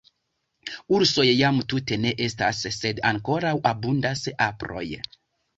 Ursoj jam tute ne estas sed ankoraŭ abundas aproj.